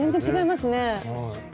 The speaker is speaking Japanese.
全然違いますね。